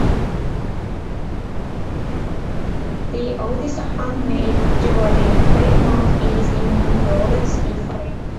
The oldest handmade jewelry trademark is in Florence, Italy.